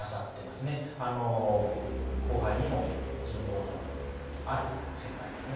後輩にも人望のある先輩ですね。